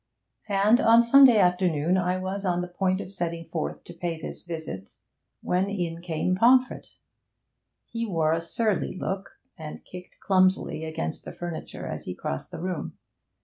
And on Sunday afternoon I was on the point of setting forth to pay this visit, when in came Pomfret. He wore a surly look, and kicked clumsily against the furniture as he crossed the room.